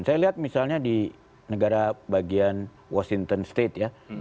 saya lihat misalnya di negara bagian washington state ya